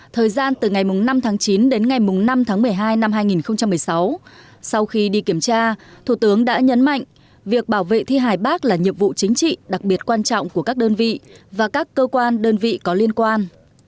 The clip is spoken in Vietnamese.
thời gian từ ngày năm tháng chín đến ngày năm tháng một mươi hai năm hai nghìn một mươi sáu sau khi đi kiểm tra thủ tướng đã nhấn mạnh việc bảo vệ thi hài bắc là nhiệm vụ chính trị đặc biệt quan trọng của các đơn vị và các cơ quan đơn vị có liên quan